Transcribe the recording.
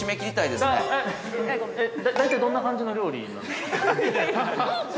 大体どんな感じの料理。